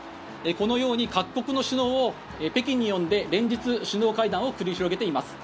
このように各国の首脳を北京に呼んで連日、首脳会談を繰り広げています。